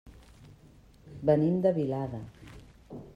Venim de Vilada.